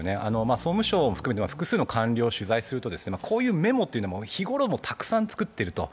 総務省も含めて複数の官僚を取材すると、こういうメモというのを日頃もたくさん作っていると。